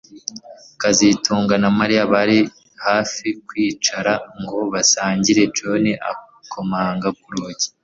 kazitunga na Mariya bari hafi kwicara ngo basangire John akomanga ku rugi